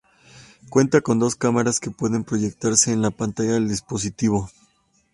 Cuenta con dos cámaras que pueden proyectarse en la pantalla del dispositivo.